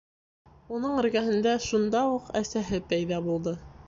Уның эргәһендә шунда уҡ әсәһе пәйҙә булды.